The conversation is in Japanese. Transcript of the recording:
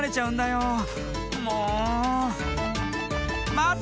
まて！